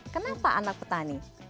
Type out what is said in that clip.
kenapa anak petani